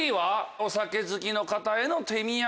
お酒好きの方への手土産。